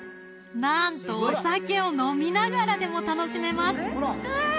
なんとお酒を飲みながらでも楽しめます